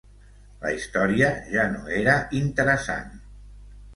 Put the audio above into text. La història ja no era interessant.